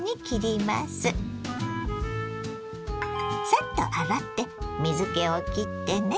サッと洗って水けをきってね。